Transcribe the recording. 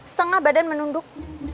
setengah badan menunduk